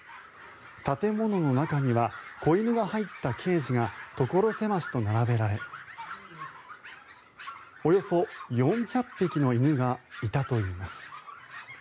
建物の中には子犬が入ったケージが所狭しと並べられおよそ４００匹の犬がいたといいます。